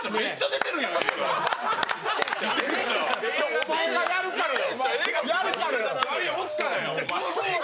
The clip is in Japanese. お前がやるからや。